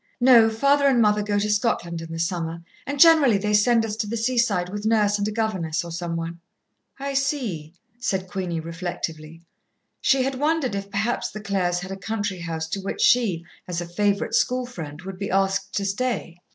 "No. Father and mother go to Scotland in the summer, and generally they send us to the seaside with Nurse and a governess or some one." "I see," said Queenie reflectively. She had wondered if perhaps the Clares had a country house to which she, as a favourite school friend, would be asked to stay.